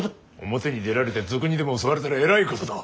表に出られて賊にでも襲われたらえらいことだ。